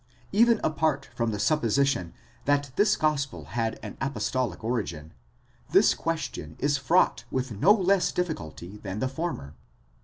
Even apart from the supposition that this gospel had an apostolic origin, this question is fraught with no less difficulty than the former.